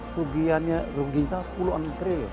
rugianya rugianya sepuluh antre ya